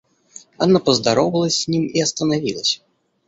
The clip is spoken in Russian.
Анна поздоровалась с ним и остановилась.